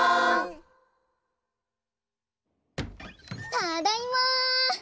ただいま！